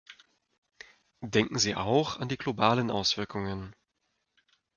Denken Sie auch an die globalen Auswirkungen.